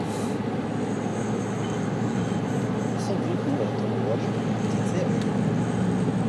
现在太冷，你夏天到我们这里来。